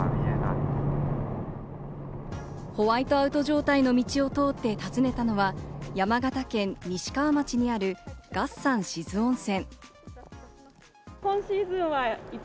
ホワイトアウト状態の道を通って訪ねたのは、山形県西川町にある月山志津温泉。